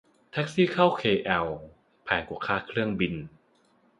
แท็กซี่เข้าเคแอลแพงกว่าค่าเครื่องบิน